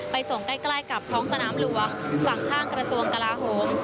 ส่งใกล้กับท้องสนามหลวงฝั่งข้างกระทรวงกลาโหม